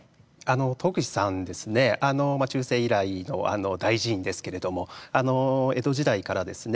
東福寺さんですね中世以来の大寺院ですけれども江戸時代からですね